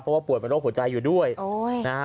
เพราะว่าป่วยเป็นโรคหัวใจอยู่ด้วยโอ้ยนะฮะ